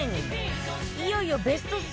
いよいよベスト３